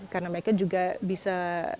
karena mereka juga bisa